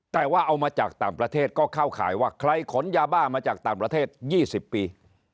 แต่ว่าเอามาจากต่างประเทศก็เข้าข่ายว่าใครขนยาบ้ามาจากต่างประเทศ๒๐ปี